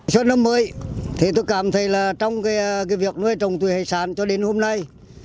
trong năm mới tôi cảm thấy trong việc nuôi trồng tuổi hải sản cho đến hôm nay